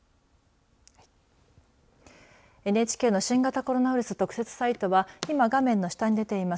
ＮＨＫの新型コロナウイルス特設サイトは今、画面の下に出ています